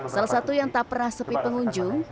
salah satu yang tak pernah sepi pengunjung